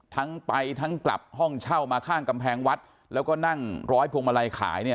ทั้งไปทั้งกลับห้องเช่ามาข้างกำแพงวัดแล้วก็นั่งร้อยพวงมาลัยขายเนี่ย